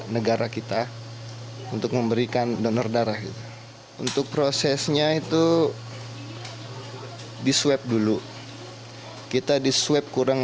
negara kita untuk memberikan donor darah untuk prosesnya itu diswep dulu kita disweb kurang